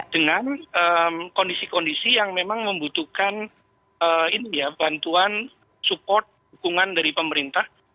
dengan kondisi kondisi yang memang membutuhkan bantuan support dukungan dari pemerintah